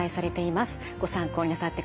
ご参考になさってください。